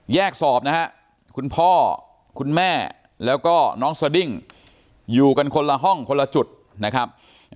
แยกสอบนะฮะคุณพ่อคุณแม่แล้วก็น้องสดิ้งอยู่กันคนละห้องคนละจุดนะครับ